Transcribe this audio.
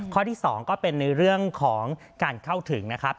ข้อที่๒ก็เป็นในเรื่องของการเข้าถึงนะครับ